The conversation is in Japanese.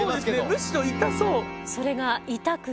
むしろ痛そう。